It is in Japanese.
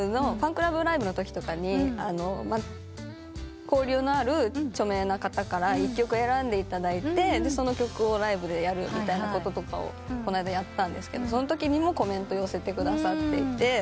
ファンクラブライブのときとかに交流のある著名な方から１曲選んでいただいてその曲をライブでやるみたいなこととかをこの間やったんですけどそのときにもコメント寄せてくださっていて。